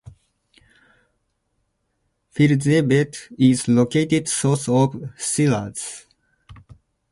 Firuzabad is located south of Shiraz.